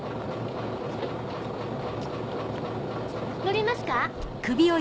乗りますか？